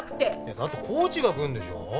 だってコーチが来るんでしょ？